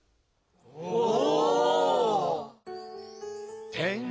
お！